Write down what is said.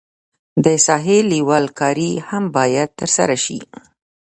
د ساحې لیول کاري هم باید ترسره شي